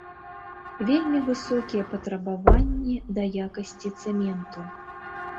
Вельмі высокія патрабаванні да якасці цэменту.